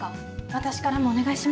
私からもお願いします。